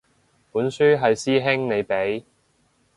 本書係師兄你畀